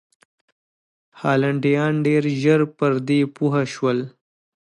هالنډیان ډېر ژر پر دې پوه شول.